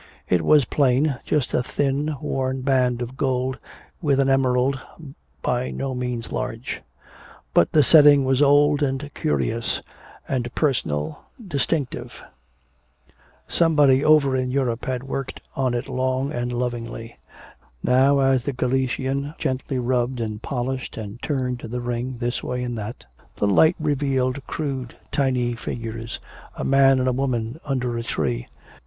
It was plain, just a thin worn band of gold with an emerald by no means large; but the setting was old and curious, and personal, distinctive. Somebody over in Europe had worked on it long and lovingly. Now as the Galician gently rubbed and polished and turned the ring this way and that, the light revealed crude tiny figures, a man and a woman under a tree.